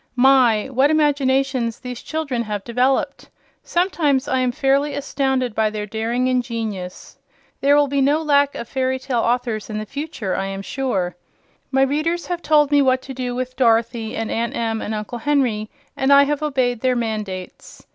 My, what imaginations these children have developed! Sometimes I am fairly astounded by their daring and genius. There will be no lack of fairy tale authors in the future, I am sure. My readers have told me what to do with Dorothy, and Aunt Em and Uncle Henry, and I have obeyed their mandates.